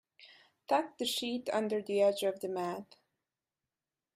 Tuck the sheet under the edge of the mat.